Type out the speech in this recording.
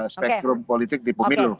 spektrum politik di pemilu